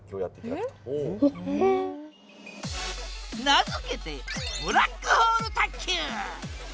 名付けてブラックホール卓球！